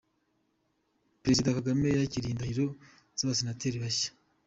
Perezida Kagame yakiriye indahiro z’Abasenateri bashya